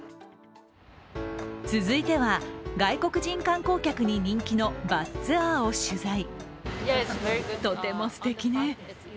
続いては、外国人観光客に人気のバスツアーを取材。